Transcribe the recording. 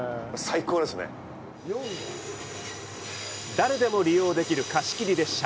誰でも利用できる貸切列車。